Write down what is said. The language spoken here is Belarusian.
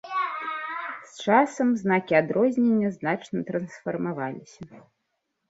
З часам знакі адрознення значна трансфармаваліся.